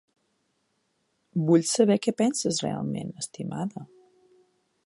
Vull saber què penses realment, estimada.